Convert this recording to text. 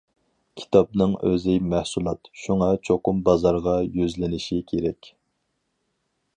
كىتابنىڭ ئۆزى مەھسۇلات، شۇڭا چوقۇم بازارغا يۈزلىنىشى كېرەك.